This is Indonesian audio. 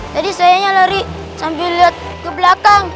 tadi sayanya lari sambil lihat ke belakang